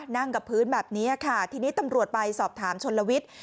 นั่งกับพื้นแบบนี้ค่ะทีนี้ตำรวจไปสอบถามชนลวิทย์